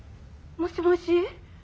もしもし。